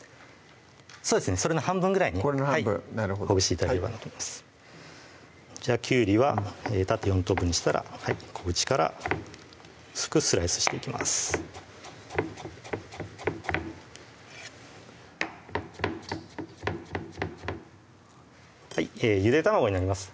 そうですねそれの半分ぐらいにこれの半分なるほどじゃあきゅうりは縦４等分にしたら小口から薄くスライスしていきますゆで卵になります